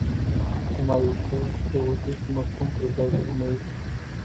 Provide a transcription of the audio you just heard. د مایوسۍ د وژونکي مفهوم پر ځای د امید.